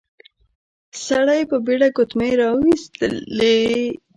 سړی په بېړه ګوتمی راويستلې.